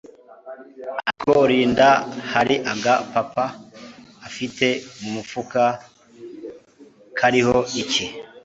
Ako Linda hari aga paper afite mumufuka kariho iki